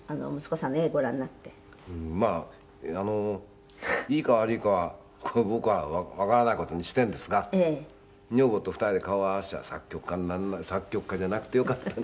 「まあいいか悪いかは僕はわからない事にしてるんですが女房と２人で顔を合わせちゃ作曲家じゃなくてよかったね。